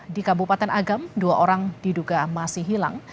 di kabupaten agam dua orang diduga masih hilang